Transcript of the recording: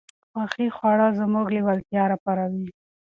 خوښې خواړه زموږ لېوالتیا راپاروي.